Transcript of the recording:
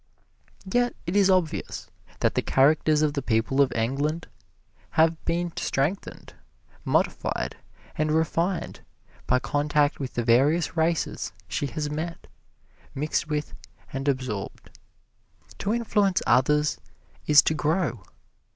Yet it is obvious that the characters of the people of England have been strengthened, modified and refined by contact with the various races she has met, mixed with and absorbed. To influence others is to grow.